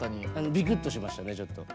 ビクッとしましたねちょっと。